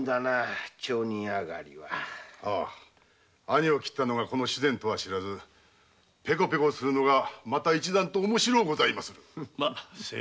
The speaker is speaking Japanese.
兄を切ったのがこの主膳とは知らずペコペコするのが一段と面白うございます。